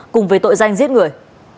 cùng với tội danh giết người